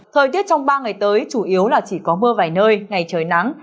thời tiết trong ba ngày tới chủ yếu là chỉ có mưa vài nơi ngày trời nắng